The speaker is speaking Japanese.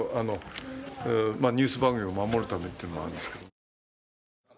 ニュース番組を守るためというのがあるんですけど。